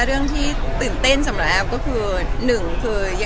เอาตรงนะคะไม่กล้าคิดค่ะ